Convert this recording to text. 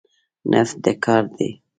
نفت د کار دی.